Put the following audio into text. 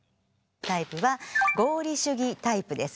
タイプは合理主義タイプです。